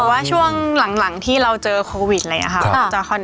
แต่ว่าช่วงหลังที่เราเจอโควิดเลยจ้ะครับ